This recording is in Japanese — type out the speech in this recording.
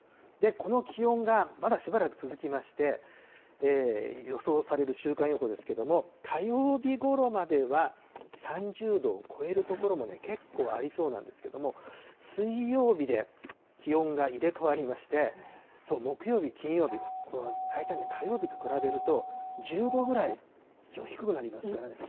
この気温がまだしばらく続きまして、予想される週間予報ですけれども、火曜日ごろまでは３０度を超える所も結構ありそうなんですけれども、水曜日で気温が入れ代わりまして、木曜日、金曜日、大体ね、火曜日と比べると１０度ぐ一気に下がるということです